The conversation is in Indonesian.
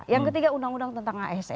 yang ketiga undang undang tentang asn